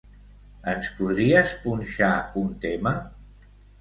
Ens podries punxar un tema?